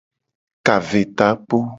Ka ve takpo.